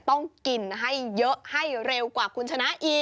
ต้องกินให้เยอะให้เร็วกว่าคุณชนะอีก